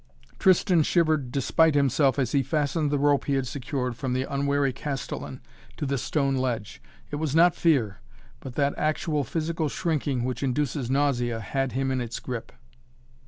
Tristan shivered despite himself as he fastened the rope he had secured from the unwary Castellan to the stone ledge. It was not fear; but that actual, physical shrinking, which induces nausea, had him in its grip.